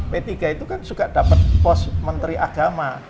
p tiga itu kan suka dapat pos menteri agama